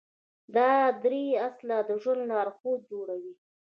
دا درې اصله د ژوند لارښود جوړوي.